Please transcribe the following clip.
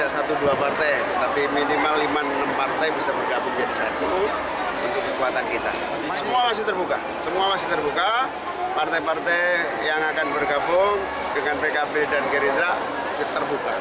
seperti yang akan bergabung dengan pkb dan gerindra terbuka